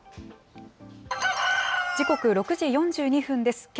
時刻６時４２分です。